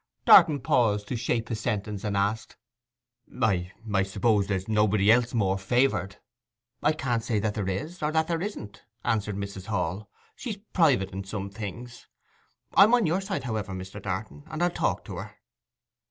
Darton paused to shape his sentence, and asked, 'I—I suppose there's nobody else more favoured?' 'I can't say that there is, or that there isn't,' answered Mrs. Hall. 'She's private in some things. I'm on your side, however, Mr. Darton, and I'll talk to her.